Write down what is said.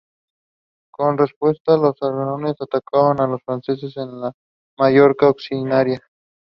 Stewards reinstated him back into the field and he ran for purse money only.